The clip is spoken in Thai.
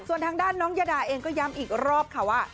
ส่วนทางด้านน้องยาดาเองก็ย้ำอีกรอบค่ะว่า